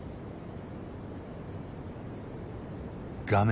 画面